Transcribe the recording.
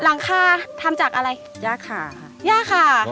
หลังคาทำจากอะไรย่าขาค่ะย่าขา